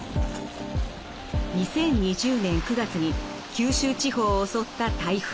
２０２０年９月に九州地方を襲った台風。